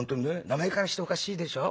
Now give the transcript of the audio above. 名前からしておかしいでしょ？